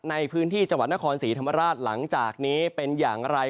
ในพื้นที่จังหวัดนครศรีธรรมราชหลังจากนี้เป็นอย่างไร